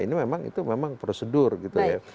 ini memang itu memang prosedur gitu ya